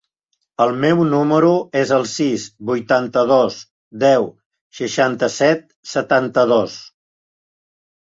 El meu número es el sis, vuitanta-dos, deu, seixanta-set, setanta-dos.